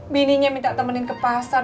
bininya minta temenin ke pasar